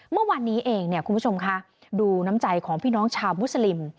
เมื่อวานนี้เองเนี่ยคุณผู้ชมคะดูน้ำใจของพี่น้องชาวมุสลิม